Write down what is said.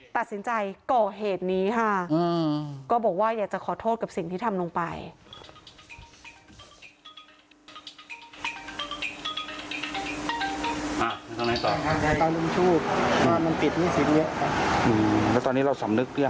ตัดสินใจก่อเหตุนี้ค่ะก็บอกว่าอยากจะขอโทษกับสิ่งที่ทำลงไป